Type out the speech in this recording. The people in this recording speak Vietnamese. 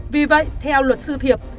vì vậy theo luật sư thiệp